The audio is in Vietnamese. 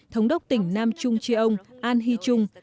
thống đốc tỉnh nam chung cheong an hee chung